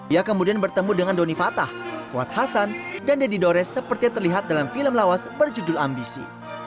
ia kemudian bertemu dengan doni fatah fuad hasan dan deddy dores seperti terlihat dalam film lawas berjudul ambisi